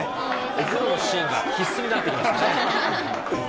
お風呂のシーンが必須になってますね。